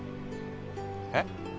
えっ？